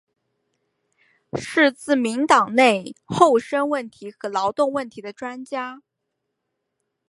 是自民党内厚生问题和劳动问题的专家。